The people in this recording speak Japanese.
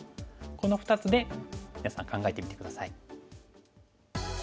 この２つで皆さん考えてみて下さい。